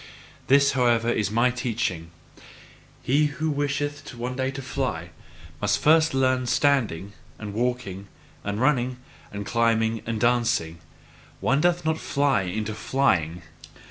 This however is my teaching: he who wisheth one day to fly, must first learn standing and walking and running and climbing and dancing: one doth not fly into flying!